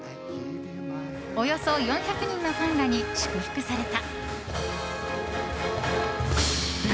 およそ４００人のファンらに祝福された。